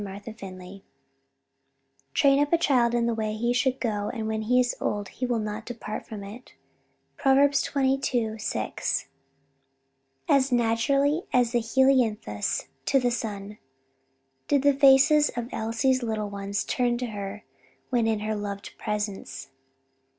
Chapter Twenty sixth. "Train up a child in the way he should go; and when he is old, he will not depart from it." PROVERBS, xxii: 6. As naturally as the helianthus to the sun, did the faces of Elsie's little ones turn to her when in her loved presence.